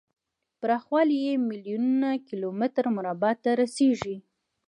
پراخوالی یې میلیون کیلو متر مربع ته رسیږي.